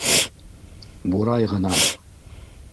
Бурай ғына...